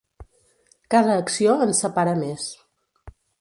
Cada acció ens separa més.